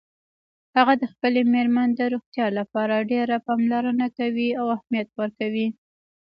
هغه د خپلې میرمن د روغتیا لپاره ډېره پاملرنه کوي او اهمیت ورکوي